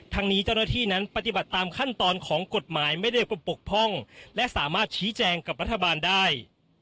ทั้งนี้เจ้าหน้าที่นั้นปฏิบัติตามขั้นตอนของกฎหมายไม่ได้ปกพร่องและสามารถชี้แจงกับรัฐบาลได้